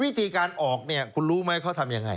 วิธีการออกคุณรู้ไหมแบบเค้าทำยังไง